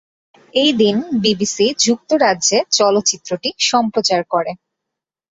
এই দিন বিবিসি যুক্তরাজ্যে চলচ্চিত্রটি সম্প্রচার করে।